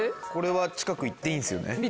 これは近く行っていいんですよね？